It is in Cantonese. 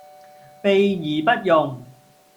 備而不用